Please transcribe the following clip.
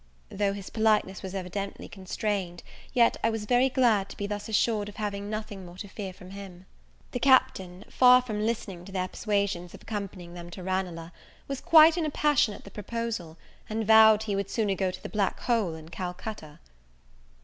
Though his politeness was evidently constrained, yet I was very glad to be thus assured of having nothing more to fear from him. The Captain, far from listening to their persuasions of accompanying them to Ranelagh, was quite in a passion at the proposal, and vowed he would sooner go to the Blackhole in Calcutta.